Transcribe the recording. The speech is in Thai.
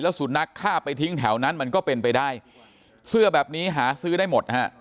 สุนัขฆ่าไปทิ้งแถวนั้นมันก็เป็นไปได้เสื้อแบบนี้หาซื้อได้หมดฮะ